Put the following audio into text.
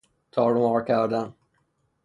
تار و مار کردن